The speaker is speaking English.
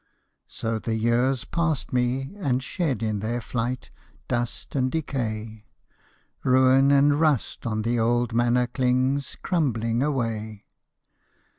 So the years passed me and shed in their flight Dust and decay ; Ruin and rust on the old manor clings, Crumbling away.